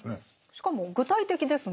しかも具体的ですね。